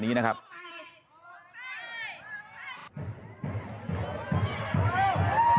คณะจิ๊งต้องออกไหมคะออกไหม